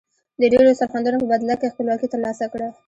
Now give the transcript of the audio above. د ډیرو سرښندنو په بدله کې خپلواکي تر لاسه کړه.